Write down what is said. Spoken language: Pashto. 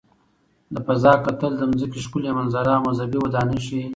له فضا کتل د ځمکې ښکلي منظره او مذهبي ودانۍ ښيي.